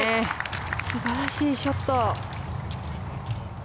素晴らしいショット。